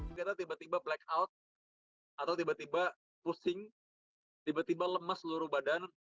ketika tiba tiba black out atau tiba tiba pusing tiba tiba lemas seluruh badan